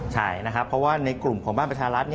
ใช่นะครับเพราะว่าในกลุ่มของบ้านประชารัฐ